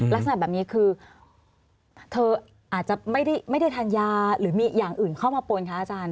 ลักษณะแบบนี้คือเธออาจจะไม่ได้ทานยาหรือมีอย่างอื่นเข้ามาปนคะอาจารย์